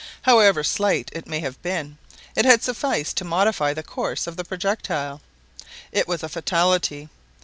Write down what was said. However slight it might have been, it had sufficed to modify the course of the projectile. It was a fatality.